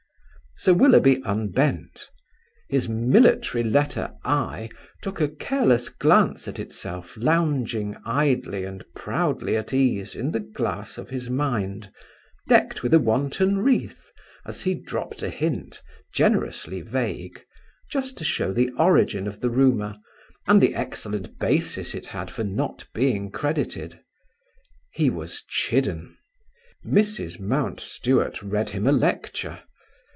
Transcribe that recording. Sir Willoughby unbent. His military letter I took a careless glance at itself lounging idly and proudly at ease in the glass of his mind, decked with a wanton wreath, as he dropped a hint, generously vague, just to show the origin of the rumour, and the excellent basis it had for not being credited. He was chidden. Mrs. Mountstuart read him a lecture.